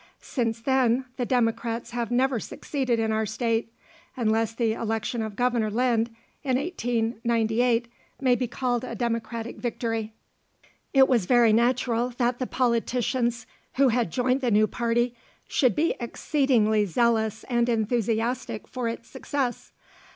Since then the Democrats have never succeeded in our state, unless the election of Governor Lind in 1898 may be called a Democratic victory. It was very natural that the politicians who had joined the new party should be exceedingly zealous and enthusiastic for its success.